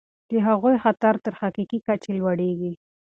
د هغوی خطر تر حقیقي کچې لوړیږي.